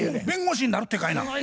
弁護士になるってかいな。